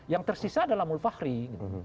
yang tersisa adalah mulfahri gitu